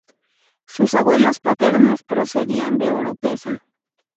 Sus abuelos paternos procedían de Oropesa.